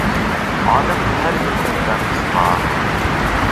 ئادەمنىڭ ھەر بىر كۈنى بەك قىسقا.